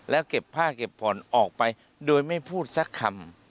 แล้วเก็บผ้าเก็บผ่อนออกไปโดยไม่พูดสักคำ